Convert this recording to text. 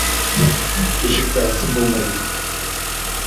Ишекте асып булмай бит!